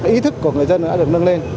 ý thức của người dân đã được nâng lên